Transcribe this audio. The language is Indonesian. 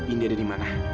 indi ada dimana